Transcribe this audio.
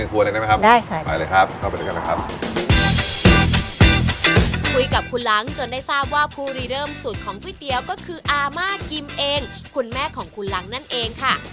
คุยกับคุณหลังจนได้ทราบว่าภูรีเริ่มสูตรของก๋วยเตี๋ยวก็คืออาม่ากิมเองคุณแม่ของคุณหลังนั่นเองค่ะ